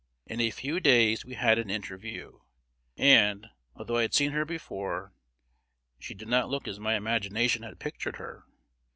In a few days we had an interview; and, although I had seen her before, she did not look as my imagination had pictured her.